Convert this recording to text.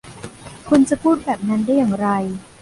คุณจะพูดแบบนั้นได้อย่างไร ?